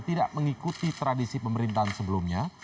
tidak mengikuti tradisi pemerintahan sebelumnya